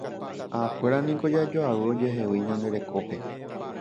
Avakuéra niko jajoavy ojoehegui ñande rekópe.